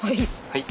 はい。